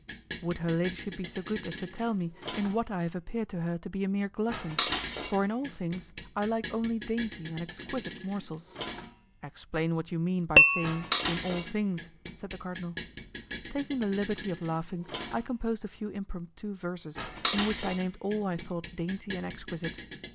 "Would her ladyship be so good as to tell me in what I have appeared to her to be a mere glutton? For in all things I like only dainty and exquisite morsels." "Explain what you mean by saying in all things," said the cardinal. Taking the liberty of laughing, I composed a few impromptu verses in which I named all I thought dainty and exquisite.